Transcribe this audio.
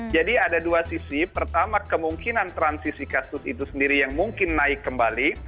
jadi ada dua sisi pertama kemungkinan transisi kasus itu sendiri yang mungkin naik kembali